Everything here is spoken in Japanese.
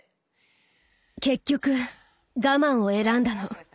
結局我慢を選んだの。